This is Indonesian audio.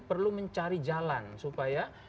perlu mencari jalan supaya